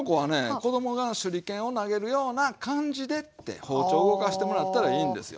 子供が手裏剣を投げるような感じでって包丁を動かしてもらったらいいんですよ。